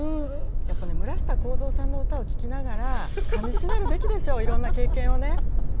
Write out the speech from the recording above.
やっぱね、むらしたこうぞうさんの歌を聴きながら、かみしめるべきでしょ、いろいろな経験をね。